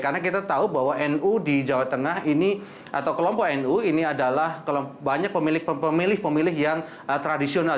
karena kita tahu bahwa nu di jawa tengah ini atau kelompok nu ini adalah banyak pemilih pemilih yang tradisional